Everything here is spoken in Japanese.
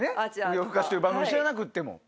『夜ふかし』という番組知らなくっても。